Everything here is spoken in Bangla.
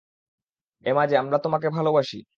এমজে, আমরা তোমাকে ভালোবাসি!